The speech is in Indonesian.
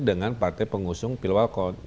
dengan partai pengusung pilwal kold